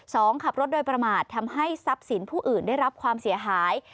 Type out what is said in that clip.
ขับรถโดยประมาททำให้ทรัพย์สินผู้อื่นได้รับความเสียหาย